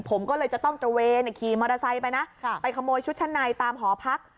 ผมก็เลยจะต้องตระเวนขี่มอเตอร์ไซค์ไปนะไปขโมยชุดชั้นในตามหอพัก